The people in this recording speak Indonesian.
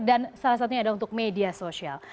dan salah satunya ada untuk media sosial